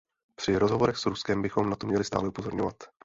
Při rozhovorech s Ruskem bychom na to měli stále upozorňovat.